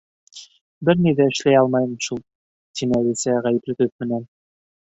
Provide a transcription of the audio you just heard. —Бер ни ҙә эшләй алмайым шул, —тине Әлисә ғәйепле төҫ менән.